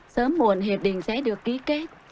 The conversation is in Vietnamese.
sớm muộn hiệp định sẽ được ký kết